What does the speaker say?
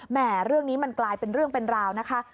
เรื่องนี้มันกลายเป็นเรื่องเป็นราวนะคะ